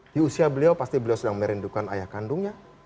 di usia beliau pasti beliau sedang merindukan ayah kandungnya